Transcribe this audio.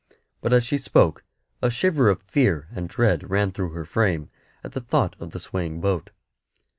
But as she spoke a shiver of fear and dread ran through her frame at the thought of the swaying boat.